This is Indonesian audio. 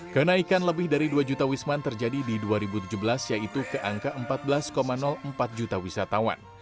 kenaikan lebih dari dua juta wisman terjadi di dua ribu tujuh belas yaitu ke angka empat belas empat juta wisatawan